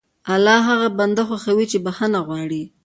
الله هغه بنده خوښوي چې بښنه غواړي.